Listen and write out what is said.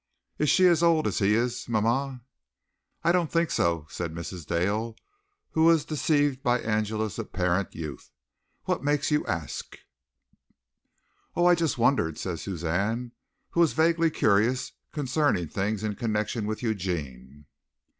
Is she as old as he is, mama?" "I don't think so," said Mrs. Dale, who was deceived by Angela's apparent youth. "What makes you ask?" "Oh, I just wondered!" said Suzanne, who was vaguely curious concerning things in connection with Eugene.